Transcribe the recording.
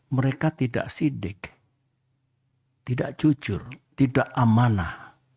mereka tidak sidik tidak jujur tidak amanah